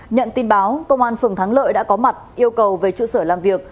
nhận tin báo công an phường thắng lợi đã có mặt yêu cầu về trụ sở làm việc